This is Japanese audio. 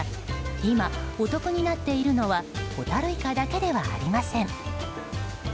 今、お得になっているのはホタルイカだけではありません。